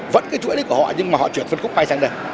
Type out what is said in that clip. vẫn cái chuỗi đấy của họ nhưng mà họ chuyển phân khúc bay sang đây